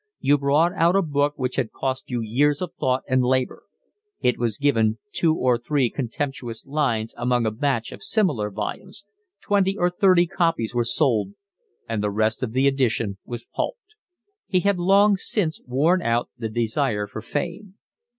You brought out a book which had cost you years of thought and labour; it was given two or three contemptuous lines among a batch of similar volumes, twenty or thirty copies were sold, and the rest of the edition was pulped. He had long since worn out the desire for fame.